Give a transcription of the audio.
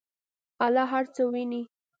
الله هر څه ویني.